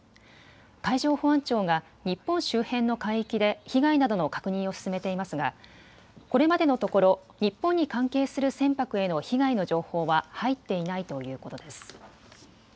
海上保安庁が日本周辺の海域で被害などの確認を進めていますがこれまでのところ日本に関係する船舶への被害の情報は入っていないということです。